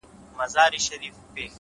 په دې ډېر ولس کي چا وهلی مول دی _